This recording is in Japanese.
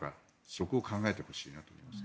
そこを考えてほしいなと思います。